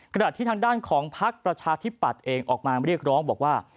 ขณะที่ทางด้านของพักประชาธิปัตย์เองออกมาเรียกร้องบอกว่า